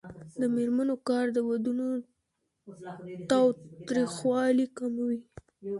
د میرمنو کار د ودونو تاوتریخوالی کموي.